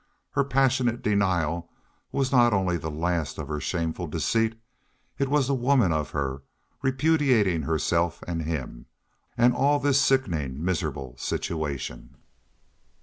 Her passionate denial was not only the last of her shameful deceit; it was the woman of her, repudiating herself and him, and all this sickening, miserable situation.